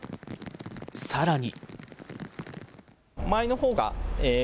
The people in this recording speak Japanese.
さらに。